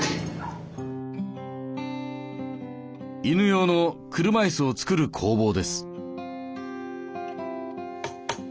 犬用の車いすを作る工房です。